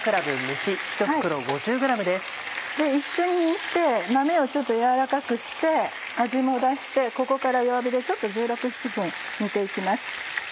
一緒に煮て豆をちょっと軟らかくして味も出してここから弱火でちょっと１６１７分煮て行きます。